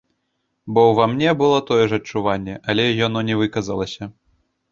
Бо ўва мне было тое ж адчуванне, але яно не выказалася.